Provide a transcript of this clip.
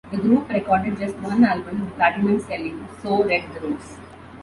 The group recorded just one album, the platinum-selling "So Red the Rose".